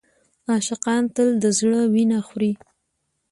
عاشقان تل د زړه وینه خوري.